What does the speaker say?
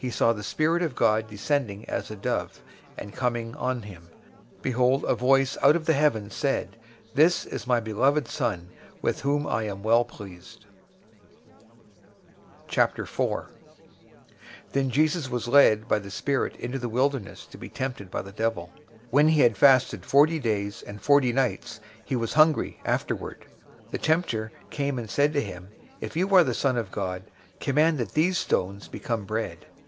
He saw the Spirit of God descending as a dove, and coming on him. 003:017 Behold, a voice out of the heavens said, "This is my beloved Son, with whom I am well pleased." 004:001 Then Jesus was led up by the Spirit into the wilderness to be tempted by the devil. 004:002 When he had fasted forty days and forty nights, he was hungry afterward. 004:003 The tempter came and said to him, "If you are the Son of God, command that these stones become bread."